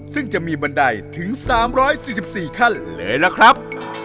ซึ่งจะมีบันไดถึง๓๔๔ขั้นเลยล่ะครับ